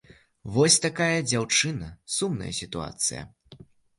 Вось такая, дзяўчына, сумная сітуацыя.